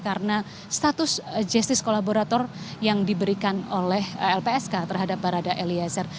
karena status justice kolaborator yang diberikan oleh lpsk terhadap barada eliezer